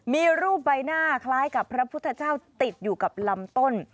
มีรูปใบหน้าคล้ายกับพระพุทธเจ้าติดอยู่กับลำต้น